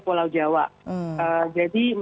pulau jawa jadi